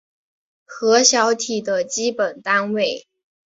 核小体的基本单位。